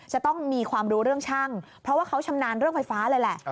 จะต้องมีความรู้เรื่องช่างเพราะว่าเขาชำนาญเรื่องไฟฟ้าเลยแหละ